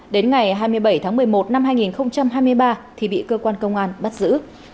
đến ngày hai mươi bảy tháng một mươi một năm hai nghìn hai mươi ba thì bị cơ quan công an bắt giữ